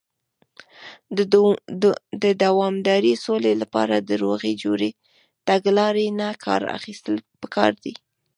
د دوامدارې سولې لپاره، د روغې جوړې تګلارې نۀ کار اخيستل پکار دی.